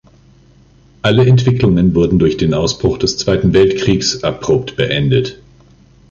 Alle Entwicklungen wurden durch den Ausbruch des Zweiten Weltkriegs abrupt beendet.